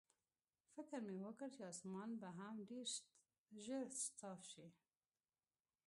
فکر مې وکړ چې اسمان به هم ډېر ژر صاف شي.